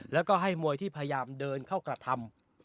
แล้วก็ให้มวยที่พยายามเดินเข้ากระทำ